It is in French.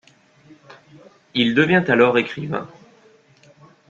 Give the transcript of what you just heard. Il devient alors écrivain.